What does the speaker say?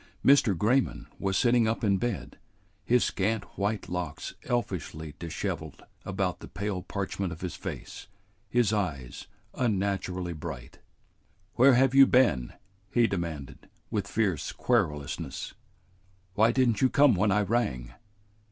Mr. Grayman was sitting up in bed, his scant white locks elfishly disheveled about the pale parchment of his face, his eyes unnaturally bright. "Where have you been?" he demanded, with fierce querulousness. "Why did n't you come when I rang?"